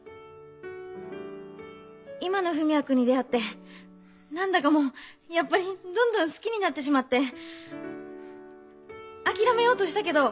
今の文也君に出会って何だかもうやっぱりどんどん好きになってしまってあきらめようとしたけど。